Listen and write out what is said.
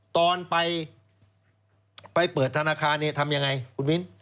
ตอนไปเปิดธนาคารเนี่ยทำยังไงคุณมิ้น